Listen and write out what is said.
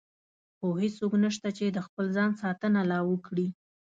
خو هېڅوک نشته چې د خپل ځان ساتنه لا وکړي.